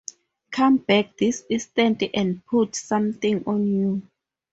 Come back this instant and put something on you.